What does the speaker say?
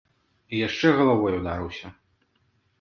І яшчэ галавой ударыўся!